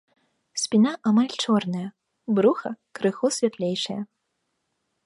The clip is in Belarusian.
Спіна амаль чорная, бруха крыху святлейшае.